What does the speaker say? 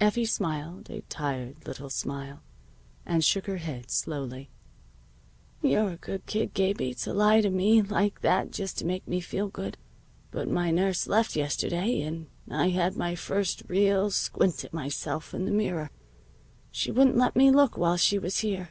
Effie smiled a tired little smile, and shook her head slowly. "You're a good kid, Gabie, to lie like that just to make me feel good. But my nurse left yesterday and I had my first real squint at myself in the mirror. She wouldn't let me look while she was here.